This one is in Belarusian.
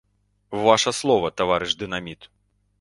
Ваша слова, таварыш дынаміт!